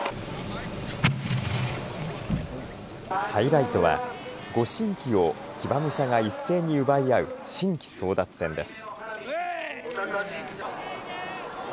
ハイライトは御神旗を騎馬武者が一斉に奪い合う神旗争奪戦です。